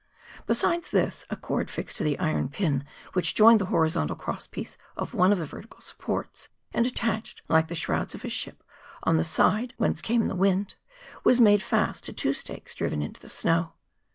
Besides this, a cord fixed to the iron pin which joined the horizontal cross piece of one of the vertical supports, and attached, like the shrouds of a ship, on the side whence came the wind, was made fast to two stakes driven into the snow.